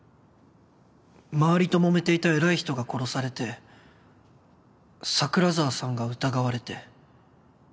周りともめていた偉い人が殺されて桜沢さんが疑われて